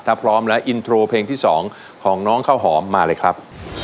ถ้าพร้อมแล้วอินโทรเพลงที่๒ของน้องข้าวหอมมาเลยครับ